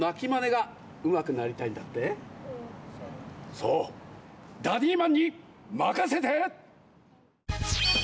そうダディーマンにまかせて！